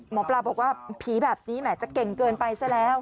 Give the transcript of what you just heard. หมอปลาบอกว่าผีแบบนี้แหมจะเก่งเกินไปซะแล้ว